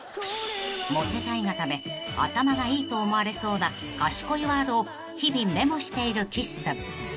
［モテたいがため頭がいいと思われそうな賢いワードを日々メモしている岸さん］